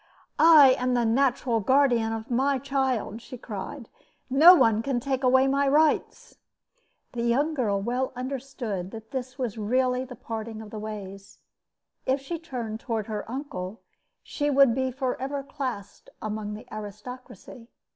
"I am the natural guardian of my child," she cried. "No one can take away my rights!" The young girl well understood that this was really the parting of the ways. If she turned toward her uncle, she would be forever classed among the aristocracy.